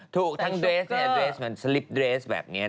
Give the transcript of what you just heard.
ถูกทั้งเดรสแบบนี้นะฮะ